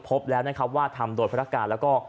พบแล้วนะครับว่าทำโดยภารการแล้วก็